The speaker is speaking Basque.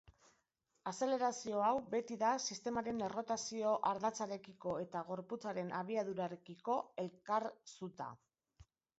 Azelerazio hau beti da sistemaren errotazio-ardatzarekiko eta gorputzaren abiadurarekiko elkarzuta.